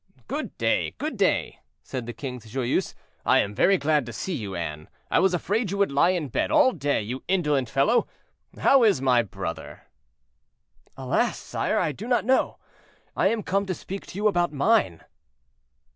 "Good day! good day!" said the king to Joyeuse. "I am very glad to see you, Anne; I was afraid you would lie in bed all day, you indolent fellow. How is my brother?" "Alas! sire, I do not know; I am come to speak to you about mine."